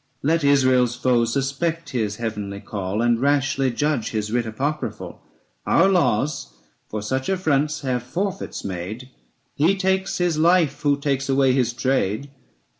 Let Israel's foes suspect his heavenly call And rashly judge his writ apocryphal ; 665 Our laws for such affronts have forfeits made, He takes his life who takes away his trade.